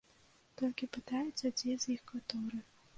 Толькі пытаюцца, дзе з іх каторы.